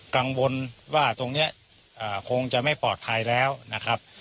กังวลว่าตรงนี้คงจะไม่ปลอดภัยแล้วนะครับ